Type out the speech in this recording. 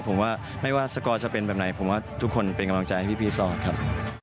ผมว่าไม่ว่าสกอร์จะเป็นแบบไหนผมว่าทุกคนเป็นกำลังใจให้พี่สอดครับ